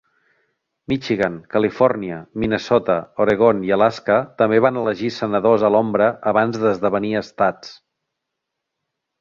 Michigan, Califòrnia, Minnesota, Oregon i Alaska també van elegir senadors a l'ombra abans d'esdevenir estats.